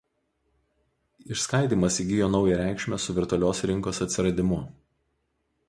Išskaidymas įgyjo naują reikšmę su virtualios rinkos atsiradimu.